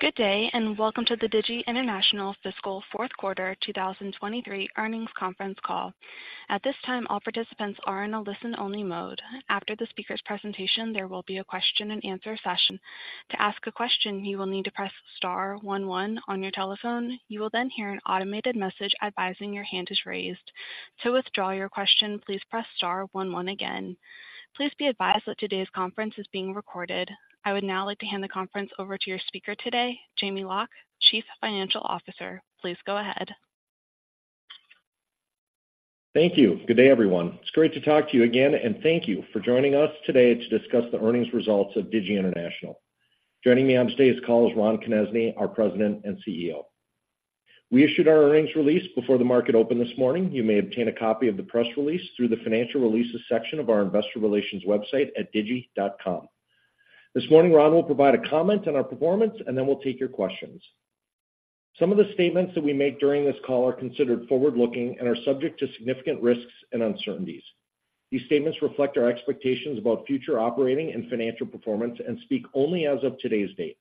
Good day, and Welcome to the Digi International Fiscal Fourth Quarter 2023 earnings conference call. At this time, all participants are in a listen-only mode. After the speaker's presentation, there will be a question-and-answer session. To ask a question, you will need to press star one one on your telephone. You will then hear an automated message advising your hand is raised. To withdraw your question, please press star one one again. Please be advised that today's conference is being recorded. I would now like to hand the conference over to your speaker today, Jamie Loch, Chief Financial Officer. Please go ahead. Thank you. Good day, everyone. It's great to talk to you again, and thank you for joining us today to discuss the earnings results of Digi International. Joining me on today's call is Ron Konezny, our President and CEO. We issued our earnings release before the market opened this morning. You may obtain a copy of the press release through the Financial Releases section of our investor relations website at digi.com. This morning, Ron will provide a comment on our performance, and then we'll take your questions. Some of the statements that we make during this call are considered forward-looking and are subject to significant risks and uncertainties. These statements reflect our expectations about future operating and financial performance and speak only as of today's date.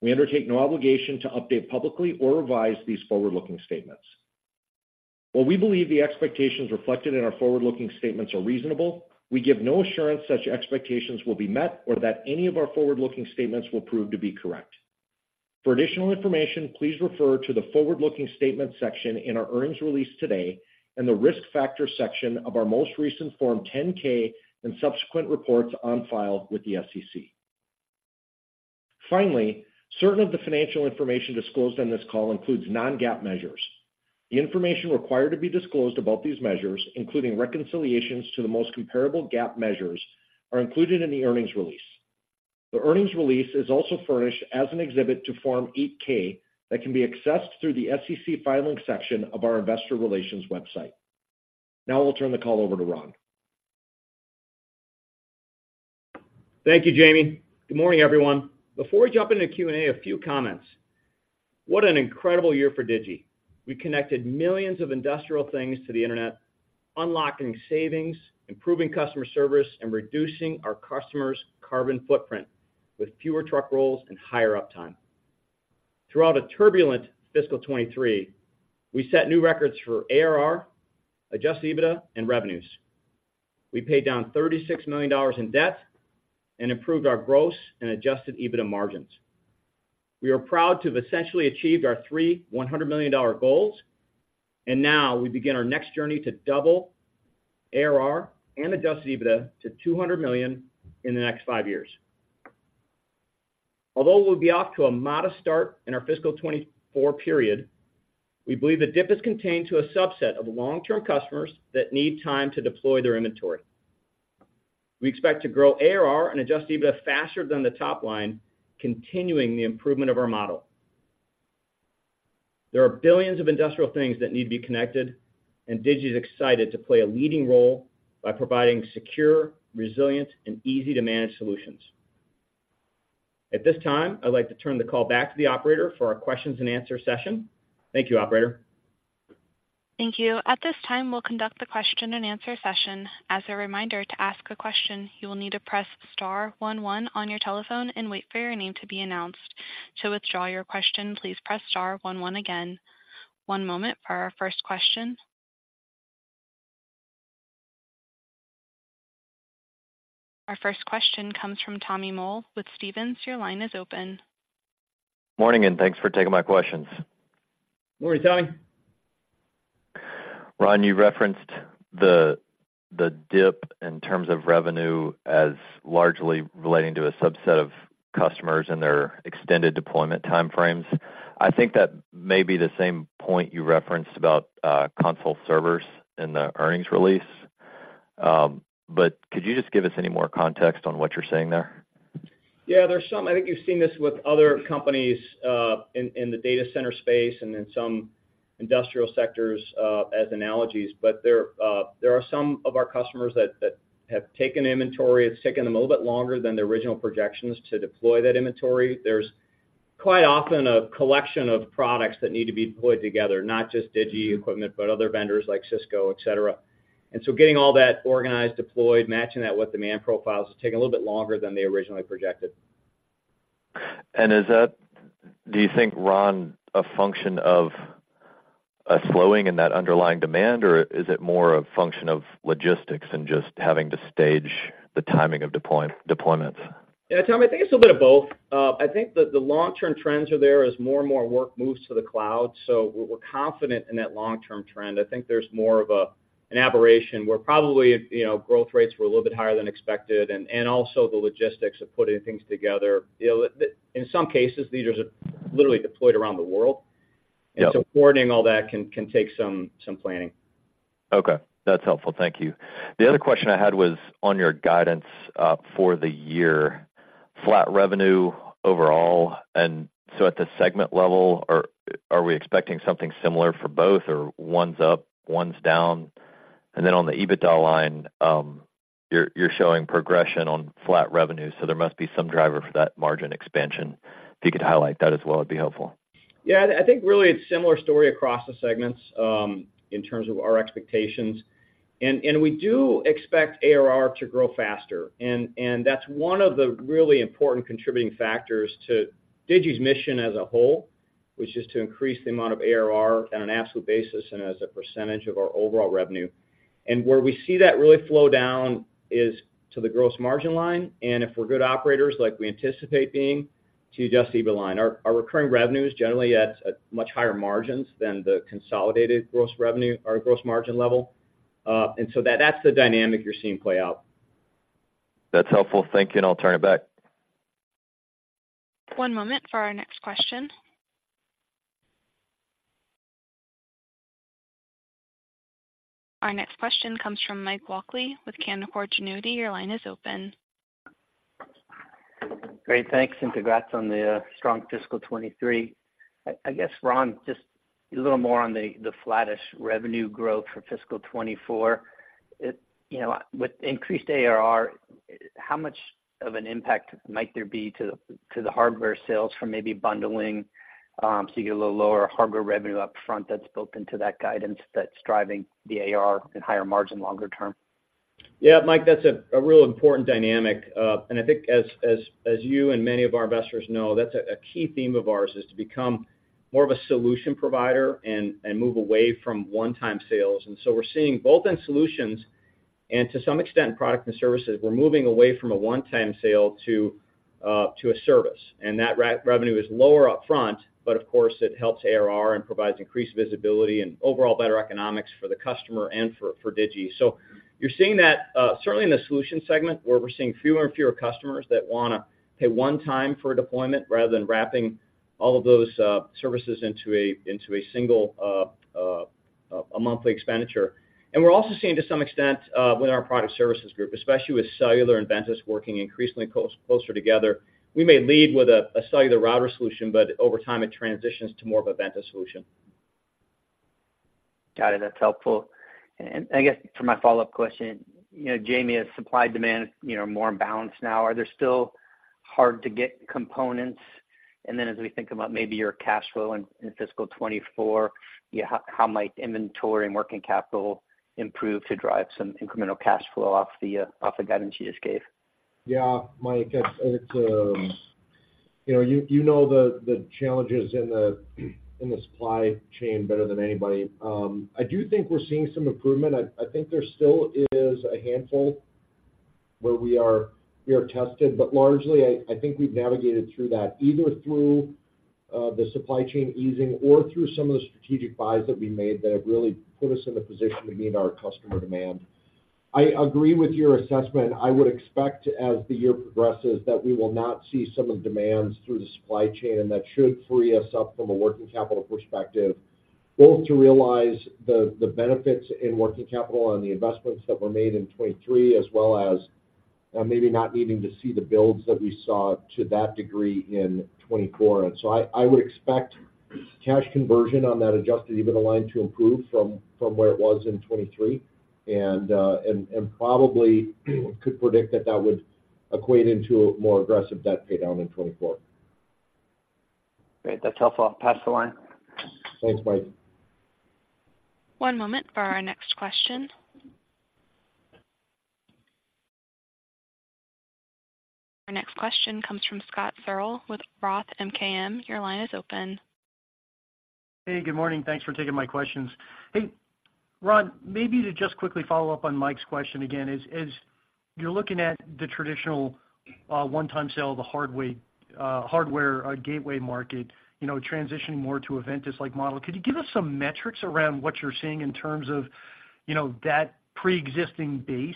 We undertake no obligation to update publicly or revise these forward-looking statements. While we believe the expectations reflected in our forward-looking statements are reasonable, we give no assurance such expectations will be met or that any of our forward-looking statements will prove to be correct. For additional information, please refer to the Forward-Looking Statement section in our earnings release today and the Risk Factor section of our most recent Form 10-K and subsequent reports on file with the SEC. Finally, certain of the financial information disclosed on this call includes non-GAAP measures. The information required to be disclosed about these measures, including reconciliations to the most comparable GAAP measures, are included in the earnings release. The earnings release is also furnished as an exhibit to Form 8-K that can be accessed through the SEC filings section of our investor relations website. Now I'll turn the call over to Ron. Thank you, Jamie. Good morning, everyone. Before we jump into Q&A, a few comments. What an incredible year for Digi. We connected millions of industrial things to the internet, unlocking savings, improving customer service, and reducing our customers' carbon footprint with fewer truck rolls and higher uptime. Throughout a turbulent fiscal 2023, we set new records for ARR, adjusted EBITDA, and revenues. We paid down $36 million in debt and improved our gross and adjusted EBITDA margins. We are proud to have essentially achieved our three $100 million goals, and now we begin our next journey to double ARR and adjusted EBITDA to $200 million in the next five years. Although we'll be off to a modest start in our fiscal 2024 period, we believe the dip is contained to a subset of long-term customers that need time to deploy their inventory. We expect to grow ARR and adjust EBITDA faster than the top line, continuing the improvement of our model. There are billions of industrial things that need to be connected, and Digi is excited to play a leading role by providing secure, resilient, and easy-to-manage solutions. At this time, I'd like to turn the call back to the operator for our questions and answer session. Thank you, operator. Thank you. At this time, we'll conduct the question-and-answer session. As a reminder, to ask a question, you will need to press star one one on your telephone and wait for your name to be announced. To withdraw your question, please press star one one again. One moment for our first question. Our first question comes from Tommy Moll with Stephens. Your line is open. Morning, and thanks for taking my questions. Morning, Tommy. Ron, you referenced the dip in terms of revenue as largely relating to a subset of customers and their extended deployment time frames. I think that may be the same point you referenced about console servers in the earnings release. But could you just give us any more context on what you're saying there? Yeah, there's some... I think you've seen this with other companies in the data center space and in some industrial sectors as analogies. But there are some of our customers that have taken inventory. It's taken them a little bit longer than the original projections to deploy that inventory. There's quite often a collection of products that need to be deployed together, not just Digi equipment, but other vendors like Cisco, et cetera. And so getting all that organized, deployed, matching that with demand profiles, has taken a little bit longer than they originally projected. Is that, do you think, Ron, a function of a slowing in that underlying demand, or is it more a function of logistics and just having to stage the timing of deployments? Yeah, Tom, I think it's a bit of both. I think the long-term trends are there as more and more work moves to the cloud, so we're confident in that long-term trend. I think there's more of an aberration, where probably, you know, growth rates were a little bit higher than expected and also the logistics of putting things together. You know, in some cases, these are literally deployed around the world. Yeah. Coordinating all that can take some planning. Okay, that's helpful. Thank you. The other question I had was on your guidance for the year. Flat revenue overall, and so at the segment level, are we expecting something similar for both or one's up, one's down? And then on the EBITDA line, you're showing progression on flat revenue, so there must be some driver for that margin expansion. If you could highlight that as well, it'd be helpful. Yeah, I think really it's similar story across the segments in terms of our expectations. And we do expect ARR to grow faster, and that's one of the really important contributing factors to Digi's mission as a whole, which is to increase the amount of ARR on an absolute basis and as a percentage of our overall revenue. And where we see that really flow down is to the gross margin line, and if we're good operators like we anticipate being, to adjust EBITDA line. Our recurring revenue is generally at much higher margins than the consolidated gross revenue or gross margin level. And so that's the dynamic you're seeing play out. That's helpful. Thank you, and I'll turn it back. One moment for our next question. Our next question comes from Mike Walkley with Canaccord Genuity. Your line is open. Great, thanks, and congrats on the strong fiscal 2023. I guess, Ron, just a little more on the flattish revenue growth for fiscal 2024. You know, with increased ARR, how much of an impact might there be to the hardware sales from maybe bundling, so you get a little lower hardware revenue up front that's built into that guidance that's driving the ARR and higher margin longer term? Yeah, Mike, that's a real important dynamic. And I think as you and many of our investors know, that's a key theme of ours is to become more of a solution provider and move away from one-time sales. And so we're seeing both in solutions and to some extent, product and services, we're moving away from a one-time sale to a service. And that revenue is lower upfront, but of course, it helps ARR and provides increased visibility and overall better economics for the customer and for Digi. So you're seeing that certainly in the solution segment, where we're seeing fewer and fewer customers that wanna pay one time for a deployment rather than wrapping all of those services into a single monthly expenditure. We're also seeing to some extent, within our product services group, especially with cellular and Ventus working increasingly closer together. We may lead with a cellular router solution, but over time it transitions to more of a Ventus solution. Got it. That's helpful. And I guess for my follow-up question, you know, Jamie, as supply-demand, you know, more in balance now, are there still hard to get components? And then as we think about maybe your cash flow in fiscal 2024, yeah, how might inventory and working capital improve to drive some incremental cash flow off the guidance you just gave? Yeah, Mike, it's... You know the challenges in the supply chain better than anybody. I do think we're seeing some improvement. I think there still is a handful where we are tested, but largely, I think we've navigated through that, either through the supply chain easing or through some of the strategic buys that we made that have really put us in the position to meet our customer demand. I agree with your assessment. I would expect, as the year progresses, that we will not see some of the demands through the supply chain, and that should free us up from a working capital perspective, both to realize the benefits in working capital and the investments that were made in 2023, as well as maybe not needing to see the builds that we saw to that degree in 2024. And so I would expect cash conversion on that adjusted EBITDA line to improve from where it was in 2023, and probably could predict that that would equate into a more aggressive debt paydown in 2024. Great, that's helpful. I'll pass the line. Thanks, Mike. One moment for our next question. Our next question comes from Scott Searle with Roth MKM. Your line is open. Hey, good morning. Thanks for taking my questions. Hey, Ron, maybe to just quickly follow up on Mike's question again. As you're looking at the traditional one-time sale of the hardware gateway market, you know, transitioning more to a Ventus-like model, could you give us some metrics around what you're seeing in terms of, you know, that pre-existing base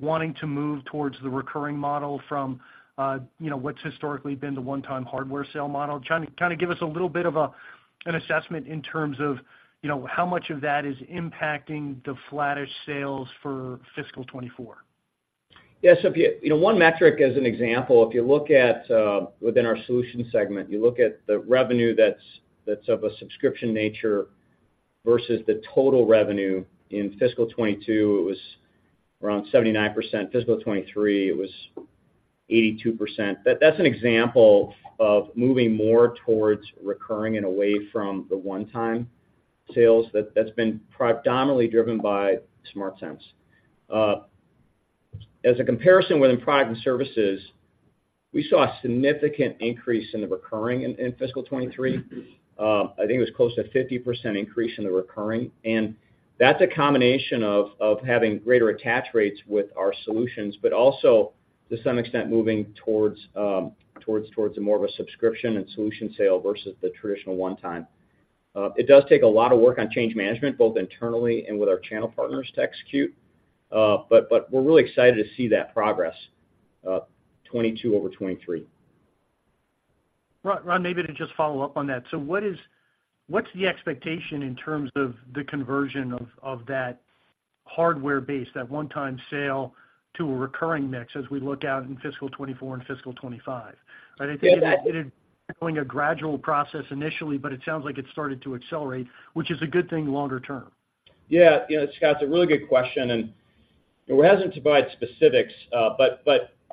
wanting to move towards the recurring model from, you know, what's historically been the one-time hardware sale model? Trying to kind of give us a little bit of a assessment in terms of, you know, how much of that is impacting the flattish sales for fiscal 2024. Yeah, so if you know, one metric, as an example, if you look at within our solution segment, you look at the revenue that's of a subscription nature versus the total revenue, in fiscal 2022, it was around 79%, fiscal 2023, it was 82%. That's an example of moving more towards recurring and away from the one-time sales that's been predominantly driven by SmartSense. As a comparison, within product and services, we saw a significant increase in the recurring in fiscal 2023. I think it was close to a 50% increase in the recurring, and that's a combination of having greater attach rates with our solutions, but also, to some extent, moving towards a more of a subscription and solution sale versus the traditional one-time. It does take a lot of work on change management, both internally and with our channel partners, to execute. But, but we're really excited to see that progress, 2022 over 2023. Ron, Ron, maybe to just follow up on that. So what is- what's the expectation in terms of the conversion of, of that hardware base, that one-time sale to a recurring mix as we look out in fiscal 2024 and fiscal 2025? I think it is pulling a gradual process initially, but it sounds like it's started to accelerate, which is a good thing longer term. Yeah. Yeah, Scott, it's a really good question, and we're hesitant to provide specifics, but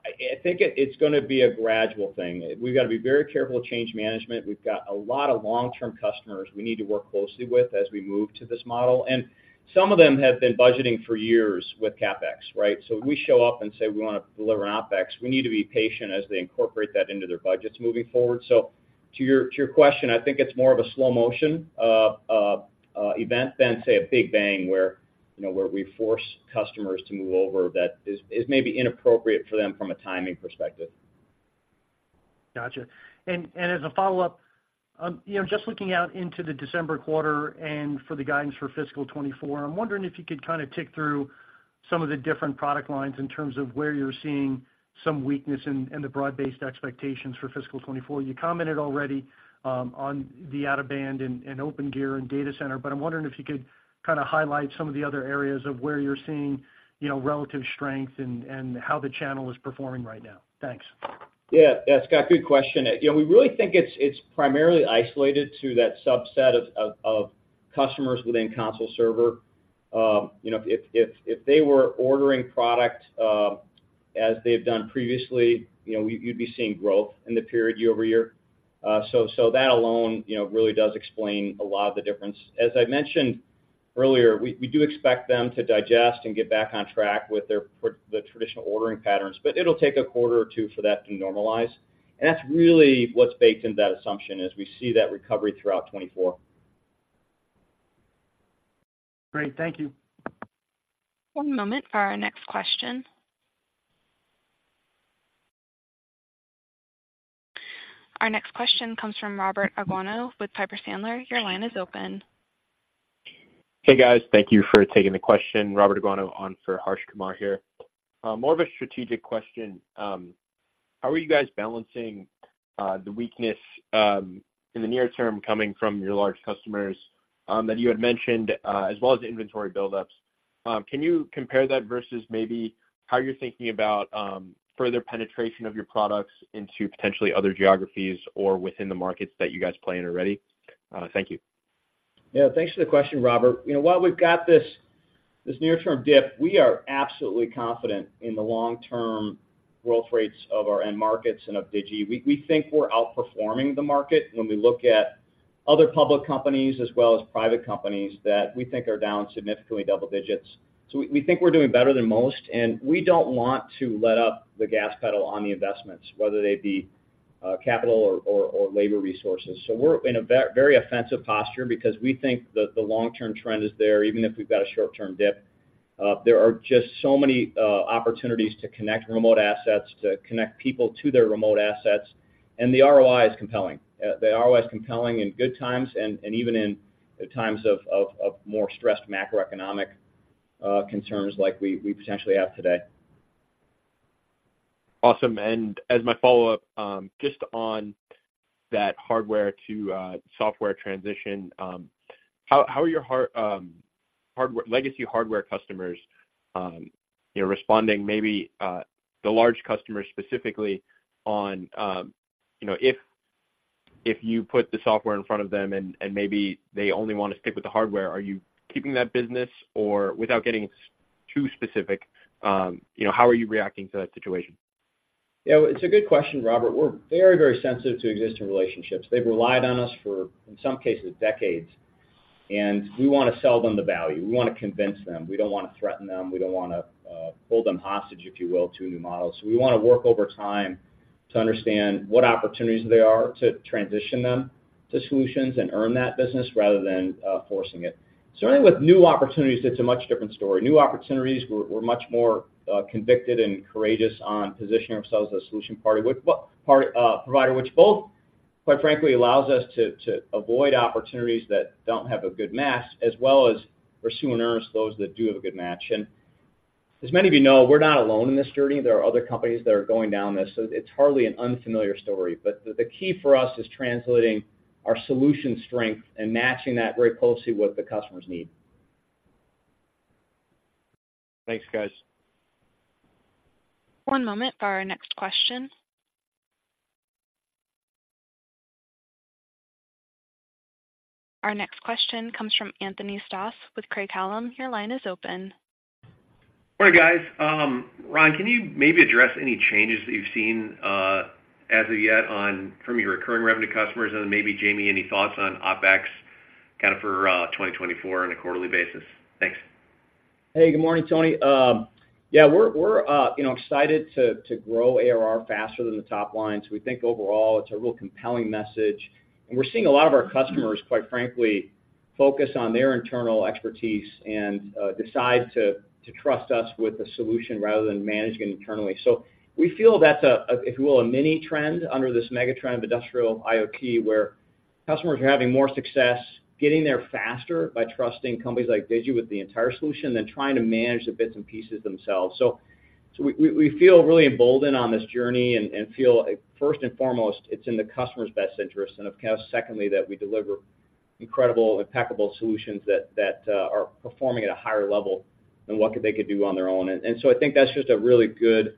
I think it's gonna be a gradual thing. We've got to be very careful with change management. We've got a lot of long-term customers we need to work closely with as we move to this model, and some of them have been budgeting for years with CapEx, right? So when we show up and say we wanna deliver on OpEx, we need to be patient as they incorporate that into their budgets moving forward. So to your question, I think it's more of a slow-motion event than, say, a big bang where, you know, we force customers to move over that is maybe inappropriate for them from a timing perspective. Gotcha. And as a follow-up, you know, just looking out into the December quarter and for the guidance for fiscal 2024, I'm wondering if you could kind of tick through some of the different product lines in terms of where you're seeing some weakness in the broad-based expectations for fiscal 2024. You commented already on the out-of-band and Opengear and data center, but I'm wondering if you could kind of highlight some of the other areas of where you're seeing, you know, relative strength and how the channel is performing right now. Thanks. Yeah. Yeah, Scott, good question. You know, we really think it's primarily isolated to that subset of customers within console server. You know, if they were ordering product, as they've done previously, you know, you'd be seeing growth in the period year-over-year. So that alone, you know, really does explain a lot of the difference. As I mentioned earlier, we do expect them to digest and get back on track with their the traditional ordering patterns, but it'll take a quarter or two for that to normalize. And that's really what's baked into that assumption, is we see that recovery throughout 2024. Great. Thank you. One moment for our next question. Our next question comes from Robert Aguanno with Piper Sandler. Your line is open. Hey, guys. Thank you for taking the question. Robert Aguanno on for Harsh Kumar here. More of a strategic question. How are you guys balancing the weakness in the near term coming from your large customers that you had mentioned, as well as the inventory buildups? Can you compare that versus maybe how you're thinking about further penetration of your products into potentially other geographies or within the markets that you guys play in already? Thank you. Yeah, thanks for the question, Robert. You know, while we've got this, this near-term dip, we are absolutely confident in the long-term growth rates of our end markets and of Digi. We, we think we're outperforming the market when we look at other public companies as well as private companies that we think are down significantly double digits. So we, we think we're doing better than most, and we don't want to let up the gas pedal on the investments, whether they be capital or labor resources. So we're in a very offensive posture because we think that the long-term trend is there, even if we've got a short-term dip. There are just so many opportunities to connect remote assets, to connect people to their remote assets, and the ROI is compelling. The ROI is compelling in good times and even in times of more stressed macroeconomic concerns like we potentially have today. Awesome. As my follow-up, just on that hardware to software transition, how are your hardware legacy hardware customers, you know, responding, maybe the large customers specifically, on, you know, if you put the software in front of them and maybe they only want to stick with the hardware, are you keeping that business? Or without getting too specific, you know, how are you reacting to that situation? Yeah, it's a good question, Robert. We're very, very sensitive to existing relationships. They've relied on us for, in some cases, decades, and we want to sell them the value. We want to convince them. We don't want to threaten them. We don't want to hold them hostage, if you will, to a new model. So we want to work over time to understand what opportunities there are to transition them to solutions and earn that business rather than forcing it. Certainly, with new opportunities, it's a much different story. New opportunities, we're much more convicted and courageous on positioning ourselves as a solution provider, which both, quite frankly, allows us to avoid opportunities that don't have a good match, as well as pursue and earn those that do have a good match. As many of you know, we're not alone in this journey. There are other companies that are going down this, so it's hardly an unfamiliar story. But the key for us is translating our solution strength and matching that very closely with the customer's need. Thanks, guys. One moment for our next question. Our next question comes from Anthony Stoss with Craig-Hallum. Your line is open. Morning, guys. Ron, can you maybe address any changes that you've seen as of yet on from your recurring revenue customers? And maybe, Jamie, any thoughts on OpEx kind of for 2024 on a quarterly basis? Thanks. Hey, good morning, Tony. Yeah, we're you know, excited to grow ARR faster than the top line. So we think overall it's a real compelling message, and we're seeing a lot of our customers, quite frankly, focus on their internal expertise and decide to trust us with a solution rather than manage it internally. So we feel that's a, if you will, a mini trend under this mega trend of industrial IoT, where customers are having more success getting there faster by trusting companies like Digi with the entire solution than trying to manage the bits and pieces themselves. So we feel really emboldened on this journey and feel, first and foremost, it's in the customer's best interest, and of course, secondly, that we deliver incredible, impeccable solutions that are performing at a higher level than what they could do on their own. And so I think that's just a really good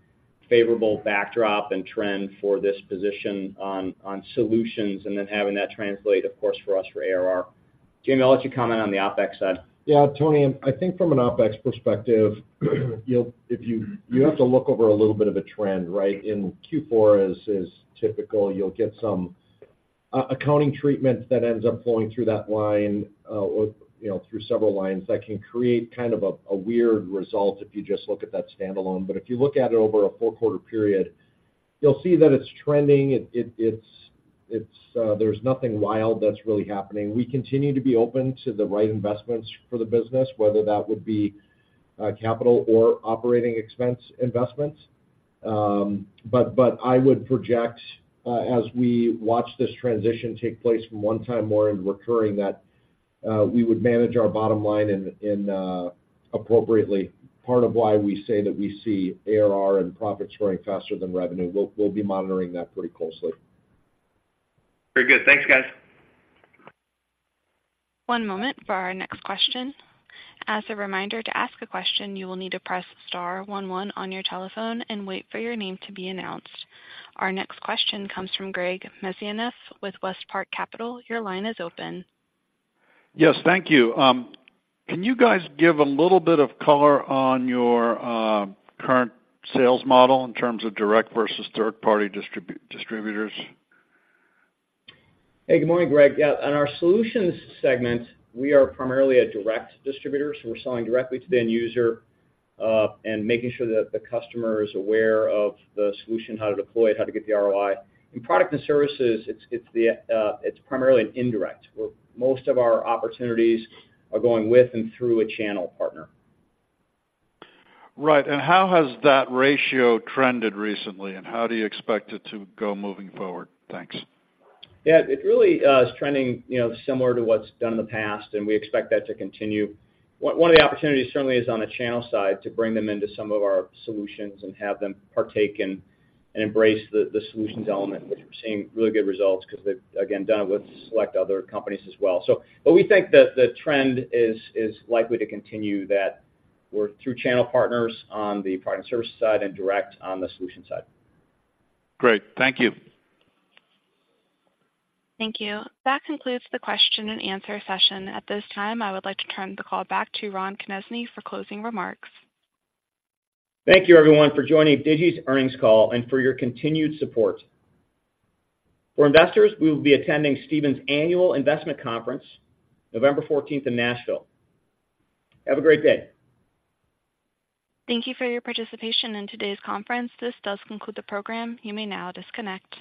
favorable backdrop and trend for this position on solutions, and then having that translate, of course, for us for ARR. Jamie, I'll let you comment on the OpEx side. Yeah, Tony, I think from an OpEx perspective, you'll, if you have to look over a little bit of a trend, right? In Q4, as is typical, you'll get some accounting treatment that ends up flowing through that line, or, you know, through several lines that can create kind of a weird result if you just look at that standalone. But if you look at it over a four-quarter period, you'll see that it's trending. It's, there's nothing wild that's really happening. We continue to be open to the right investments for the business, whether that would be capital or operating expense investments. But I would project, as we watch this transition take place from one-time more into recurring, that we would manage our bottom line and appropriately. Part of why we say that we see ARR and profits growing faster than revenue, we'll be monitoring that pretty closely. Very good. Thanks, guys. One moment for our next question. As a reminder, to ask a question, you will need to press star one one on your telephone and wait for your name to be announced. Our next question comes from Greg Mesniaeff with WestPark Capital. Your line is open. Yes, thank you. Can you guys give a little bit of color on your current sales model in terms of direct versus third-party distributors? Hey, good morning, Greg. Yeah, on our solutions segment, we are primarily a direct distributor, so we're selling directly to the end user, and making sure that the customer is aware of the solution, how to deploy it, how to get the ROI. In product and services, it's primarily an indirect, where most of our opportunities are going with and through a channel partner. Right. And how has that ratio trended recently, and how do you expect it to go moving forward? Thanks. Yeah, it really is trending, you know, similar to what's done in the past, and we expect that to continue. One of the opportunities certainly is on the channel side, to bring them into some of our solutions and have them partake and embrace the solutions element, which we're seeing really good results, 'cause they've, again, done it with select other companies as well. So, but we think that the trend is likely to continue, that we're through channel partners on the product and service side, and direct on the solution side. Great. Thank you. Thank you. That concludes the question and answer session. At this time, I would like to turn the call back to Ron Konezny for closing remarks. Thank you, everyone, for joining Digi's earnings call and for your continued support. For investors, we will be attending Stephens Annual Investment Conference, November 14th in Nashville. Have a great day. Thank you for your participation in today's conference. This does conclude the program. You may now disconnect.